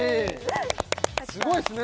すごいですね